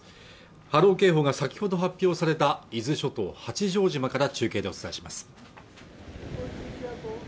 波浪警報が先ほど発表された伊豆諸島八丈島から中継でお伝えします